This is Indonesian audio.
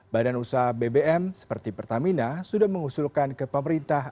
badan usaha bbm seperti pertamina sudah mengusulkan ke pemerintah